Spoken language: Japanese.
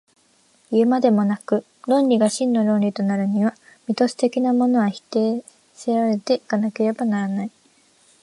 いうまでもなく、論理が真の論理となるには、ミトス的なものは否定せられて行かなければならない。